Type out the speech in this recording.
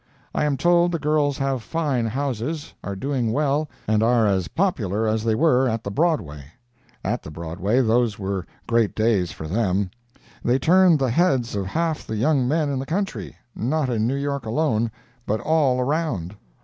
I am told the girls have fine houses, are doing well, and are as popular as they were at the Broadway. At the Broadway—those were great days for them—they turned the heads of half the young men in the country—not in New York alone, but all around.